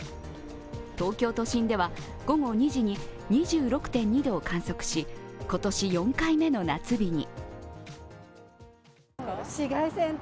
東京都心では午後２時に２６．２度を観測し今年４回目の夏日に。